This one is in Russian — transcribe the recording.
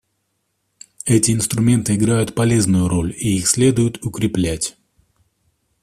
Эти инструменты играют полезную роль, и их следует укреплять.